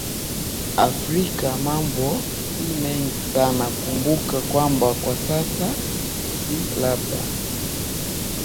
afrika mambo si mengi sana kumbuka kwamba kwa sasa hivi labda